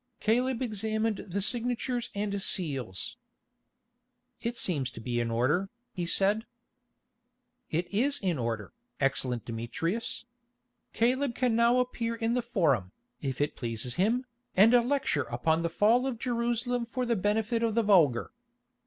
Caleb examined the signatures and seals. "It seems to be in order," he said. "It is in order, excellent Demetrius. Caleb can now appear in the Forum, if it pleases him, and lecture upon the fall of Jerusalem for the benefit of the vulgar.